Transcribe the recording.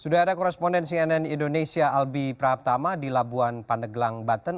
sudah ada koresponden cnn indonesia albi praptama di labuan pandeglang baten